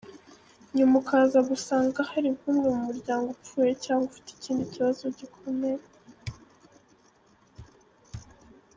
Nyuma ukaza gusanga hari nk’umwe mu muryango upfuye cyangwa ufite ikindi kibazo gikomeye.